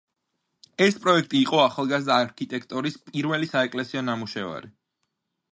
ეს პროექტი იყო ახალგაზრდა არქიტექტორის პირველი საეკლესიო ნამუშევარი.